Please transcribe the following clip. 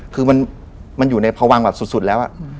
คือมันอยู่ในพวังแบบสุดแล้ว